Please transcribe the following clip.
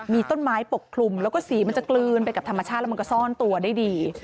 มีต้นไม้ปกคลุมแล้วก็สีมันจะกลืนไปกับธรรมชาติแล้วมันก็ซ่อนตัวได้ดี